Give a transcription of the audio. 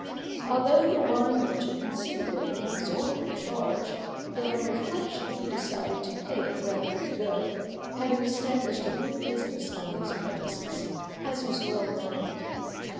Although the wine merchant considered it an exorbitant charge, yet on reflection he decided to pay it rather than go, having established a good business on these premises, as was well known.